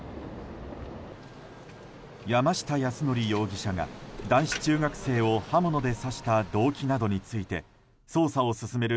山下泰範容疑者が男子中学生を刃物で刺した動機などについて捜査を進める